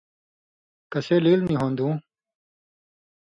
کسے لیلیۡ نیۡ ہُون٘دُوں